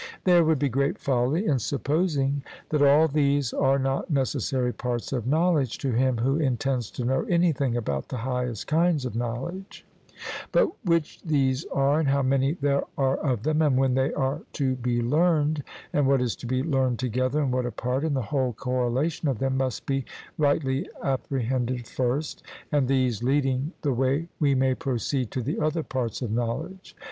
There would be great folly in supposing that all these are not necessary parts of knowledge to him who intends to know anything about the highest kinds of knowledge; but which these are, and how many there are of them, and when they are to be learned, and what is to be learned together and what apart, and the whole correlation of them, must be rightly apprehended first; and these leading the way we may proceed to the other parts of knowledge.